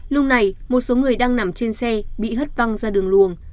lúc này một số người đang nằm trên xe bị hất văng ra đường luồng